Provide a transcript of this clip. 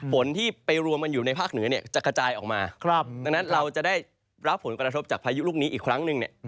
ฝนที่ไปรวมกันอยู่ในภาคเหนือเนี่ยจะกระจายออกมาดังนั้นเราจะได้รับผลกระทบจากพายุลูกนี้อีกครั้งหนึ่งเนี่ย